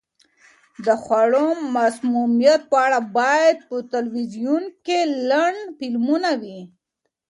د خوړو مسمومیت په اړه باید په تلویزیون کې لنډ فلمونه وي.